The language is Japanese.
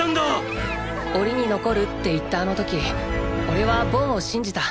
⁉檻に残るって言ったあの時おれはボンを信じた。